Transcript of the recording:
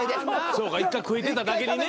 そうか一回食えてただけにね。